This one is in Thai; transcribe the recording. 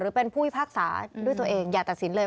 เป็นผู้พิพากษาด้วยตัวเองอย่าตัดสินเลย